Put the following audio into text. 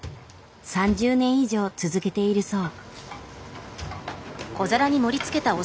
３０年以上続けているそう。